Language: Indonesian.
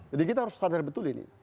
jadi kita harus sadar betul ini